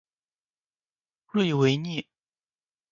瑞维涅。